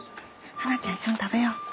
葉埜ちゃん一緒に食べよう。